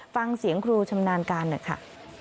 ฟังเสียงครูชำนาญการค่ะ